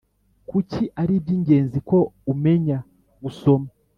Kuki ari iby ingenzi ko umenya gusoma